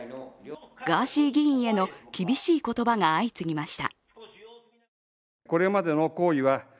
ガーシー議員への厳しい言葉が相次ぎました。